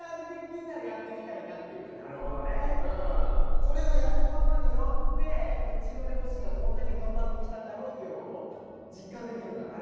これをやることによってうちの両親がどんだけ頑張ってきたんだろうっていうのを実感できるかなって。